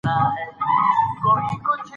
افغانستان کې د طبیعي زیرمې په اړه زده کړه کېږي.